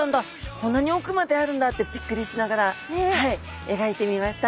こんなに奥まであるんだってびっくりしながらはい描いてみました。